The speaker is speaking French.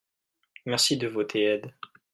Merci de voter aide.